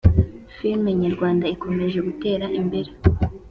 Firme nyarwanda ikomeje gutera imbere